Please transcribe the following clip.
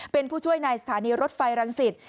เป็นผู้ช่วยในสถานีรถไฟรังสิต